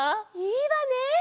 いいわね！